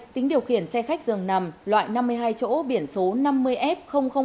tính điều khiển xe khách dường nằm loại năm mươi hai chỗ biển số năm mươi f bốn trăm tám mươi ba